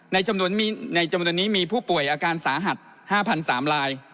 ในจำนวนนี้มีผู้ป่วยอาการสาหัส๕๓ลาย